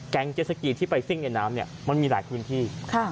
เจสสกีที่ไปซิ่งในน้ำมันมีหลายพื้นที่